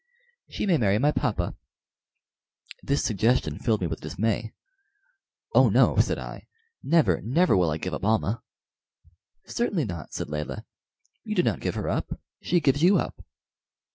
She may marry my papa." This suggestion filled me with dismay. "Oh no," said I. "Never, never will I give up Almah!" "Certainly not," said Layelah; "you do not give her up she gives you up."